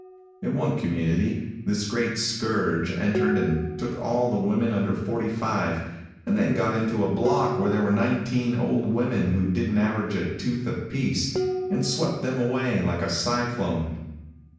In one community, this great scourge entered and took all the women under forty five, and then got into a block where there were nineteen old women who didn't average a tooth apiece, and swept them away like a cyclone.